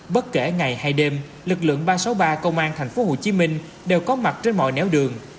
bất kể ngày hay đêm lực lượng ba trăm sáu mươi ba công an tp hcm đều có mặt trên mọi néo đường